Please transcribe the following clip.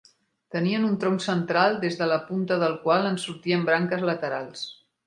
Tenien un tronc central, des de la punta del qual en sortien branques laterals.